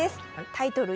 タイトル